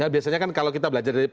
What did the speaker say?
biasanya kan kalau kita belajar dari